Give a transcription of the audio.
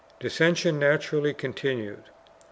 2 Dissension naturally continued.